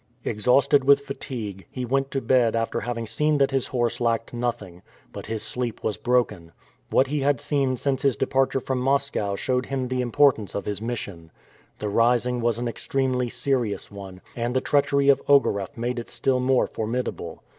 Exhausted with fatigue, he went to bed after having seen that his horse lacked nothing; but his sleep was broken. What he had seen since his departure from Moscow showed him the importance of his mission. The rising was an extremely serious one, and the treachery of Ogareff made it still more formidable.